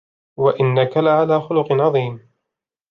وإنك لعلى خلق عظيم